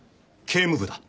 警務部だ。